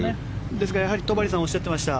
ですから戸張さんがおっしゃってました